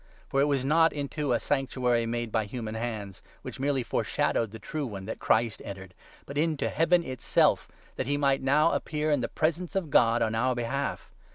For it was not into a 24 Sanctuary made by human hands, which merely foreshadowed the true one, that Christ entered, but into Heaven itself, that he might now appear in the presence of God on our behalf.